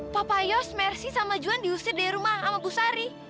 papa yos mercy sama juan diusir dari rumah sama gusari